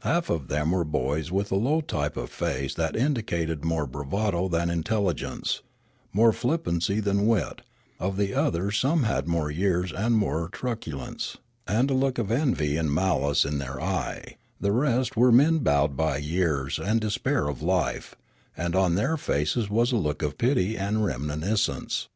Half of them were boys with a low type of face that indicated more bravado than intelligence, more flip pancy than wit ; of the others some had more years and more truculence, and a look of envy and malice in Kloriole 273 their eye ; the rest were men bowed by j^ears and de spair of life, and on their faces was a look as of pity and reminiscence.